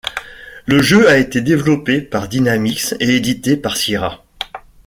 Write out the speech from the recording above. Le jeu a été développé par Dynamix et édité par Sierra.